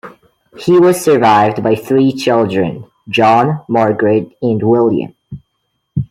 He was survived by three children - John, Margaret and William.